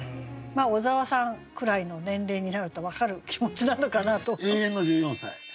小沢さんくらいの年齢になると分かる気持ちなのかなと。